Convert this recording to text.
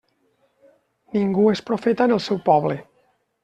Ningú és profeta en el seu poble.